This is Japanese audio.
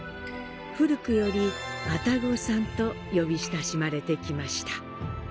古くより「あたごさん」と呼び親しまれてきました。